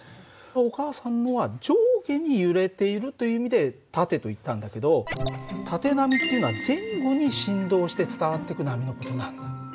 お母さんのは上下に揺れているという意味で縦といったんだけど縦波っていうのは前後に振動して伝わってく波の事なんだ。